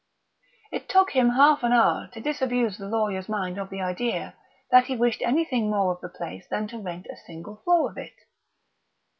It took him half an hour to disabuse the lawyer's mind of the idea that he wished anything more of the place than to rent a single floor of it.